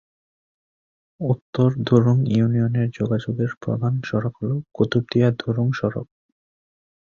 উত্তর ধুরুং ইউনিয়নে যোগাযোগের প্রধান সড়ক হল কুতুবদিয়া-ধুরুং সড়ক।